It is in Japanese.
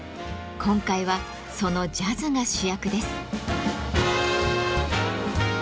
今回はそのジャズが主役です。